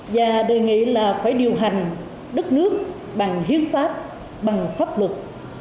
và đề nghị là phải điều hành đất nước bằng hiến pháp bằng pháp luật